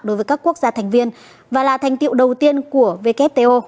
đối với các quốc gia thành viên và là thành tiệu đầu tiên của wto